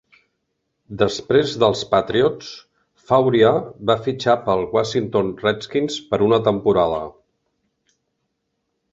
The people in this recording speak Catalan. Desprès dels Patriots, Fauria va fitxar pels Washington Redskins per una temporada.